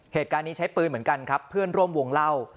เหตุการณ์นี้ใช้ปืนเหมือนกันครับเพื่อนร่วมวงเล่า